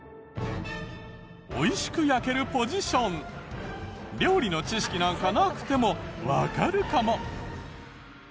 美味しく焼けるポジション料理の知識なんかなくてもわかるかも。